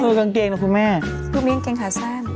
เออกางเกงน่ะคุณแม่คือมีกางเกงขาแซ่น